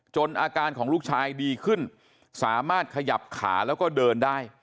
อาการของลูกชายดีขึ้นสามารถขยับขาแล้วก็เดินได้